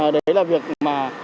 đấy là việc mà